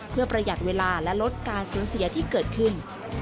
เพื่อประหยัดเวลาและลดการสูญเสียที่เกิดขึ้น